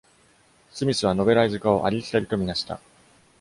スミスはノベライズ化をありきたりとみなした。